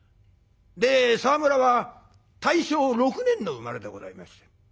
沢村は大正６年の生まれでございまして。